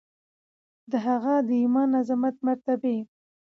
د هغه د ایمان، عظمت، مرتبې